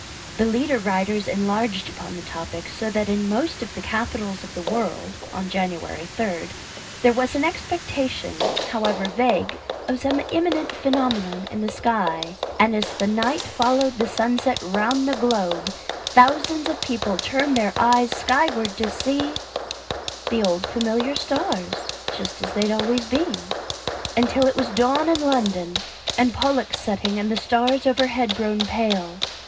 The leader writers enlarged upon the topic. So that in most of the capitals of the world, on January 3rd, there was an expectation, however vague, of some imminent phenomenon in the sky; and as the night followed the sunset round the globe, thousands of men turned their eyes skyward to see the old familiar stars just as they had always been. Until it was dawn in London and Pollux setting and the stars overhead grown pale.